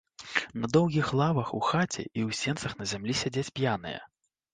На доўгіх лавах у хаце і ў сенцах на зямлі сядзяць п'яныя.